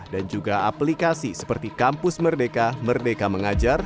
dan juga aplikasi seperti campus merdeka merdeka mengajar